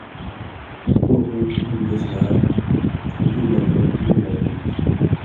اُو ہُویں دیسہۡ دھان٘ک چُھٹی لن٘گھَیں می گائ ای تھی۔